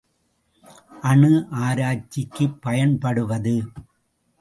அணு ஆராய்ச்சிக்குப் பயன்படுவது.